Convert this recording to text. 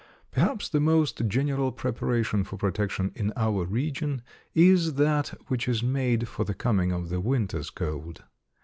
Perhaps the most general preparation for protection in our region is that which is made for the coming of the winter's cold.